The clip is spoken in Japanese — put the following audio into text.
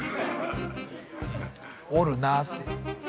折るなって。